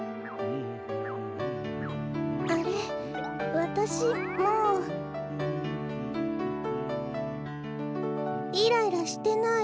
わたしもうイライラしてない。